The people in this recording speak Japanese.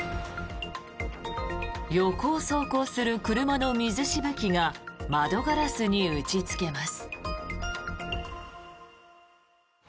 横を走行する車の水しぶきが窓ガラスに打ちつけます。